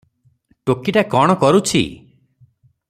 "ଟୋକିଟା କଣ କରୁଛି?"